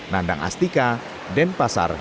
nandang astika denpasar